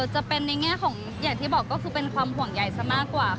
จะเป็นในแง่ของอย่างที่บอกก็คือเป็นความห่วงใหญ่ซะมากกว่าค่ะ